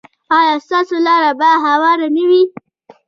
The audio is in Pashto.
ایا ستاسو لاره به هواره نه وي؟